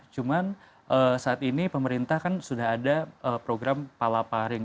cuma saat ini pemerintah kan sudah ada program palapanan ya